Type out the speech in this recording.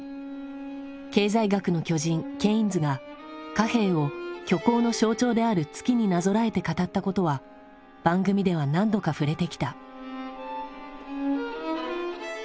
経済学の巨人ケインズが貨幣を虚構の象徴である月になぞらえて語ったことは番組では何度か触れてきた。